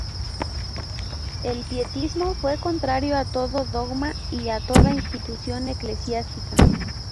El pietismo fue contrario a todo dogma y a toda institución eclesiástica.